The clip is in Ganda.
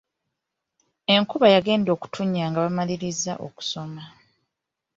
Enkuba yagenda okutonnya nga bamalirizza okusoma.